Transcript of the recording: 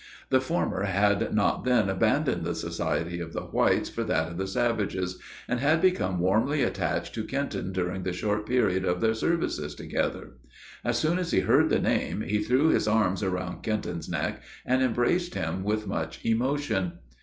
The former had not then abandoned the society of the whites for that of the savages, and had become warmly attached to Kenton during the short period of their services together. As soon as he heard the name, he threw his arms around Kenton's neck, and embraced him with much emotion.